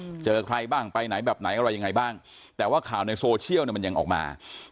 เจอใครบ้างไปไหนแบบไหนอะไรยังไงบ้างแต่ว่าข่าวในโซเชียลเนี้ยมันยังออกมา